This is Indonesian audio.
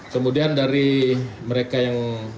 kemudian dari mereka yang